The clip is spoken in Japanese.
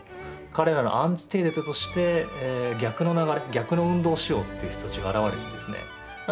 彼らのアンチテーゼとして逆の流れ逆の運動をしようっていう人たちが現れてですね。